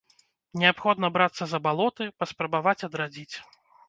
Неабходна брацца за балоты, паспрабаваць адрадзіць.